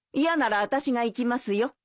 嫌なら私が行きますよ。